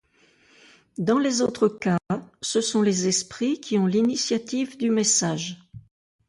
Dans les autres cas, ce sont les esprits qui ont l'initiative du message.